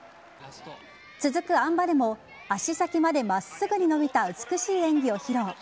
続くあん馬でも足先までまっすぐに伸びた美しい演技を披露。